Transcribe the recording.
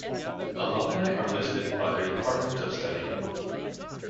Alumni are listed by their department of study.